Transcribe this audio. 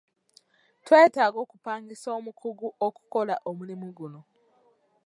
Twetaaga okupangisa omukugu okukola omulimu guno.